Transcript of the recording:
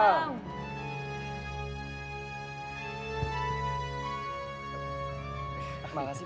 makasih pak kwasim